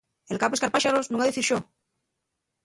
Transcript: El qu'ha pescar páxaros, nun ha dicir xo.